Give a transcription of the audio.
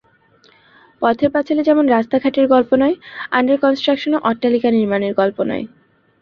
পথের পাঁচালী যেমন রাস্তা-ঘাটের গল্প নয়, আন্ডার কনস্ট্রাকশনও অট্টালিকা নির্মাণের গল্প নয়।